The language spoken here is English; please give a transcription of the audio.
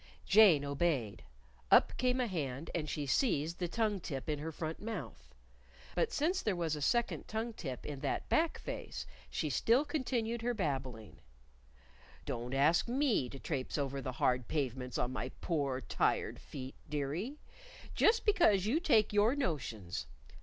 Jane obeyed. Up came a hand, and she seized the tongue tip in her front mouth. But since there was a second tongue tip in that back face, she still continued her babbling: "Don't ask me to trapse over the hard pavements on my poor tired feet, dearie, just because you take your notions....